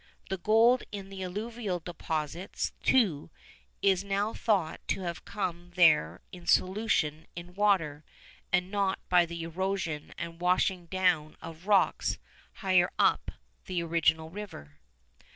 The gold in the alluvial deposits, too, is now thought to have come there in solution in water, and not by the erosion and washing down of rocks higher up the original river.